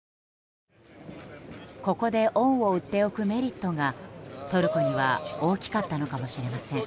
ここで恩を売っておくメリットがトルコには大きかったのかもしれません。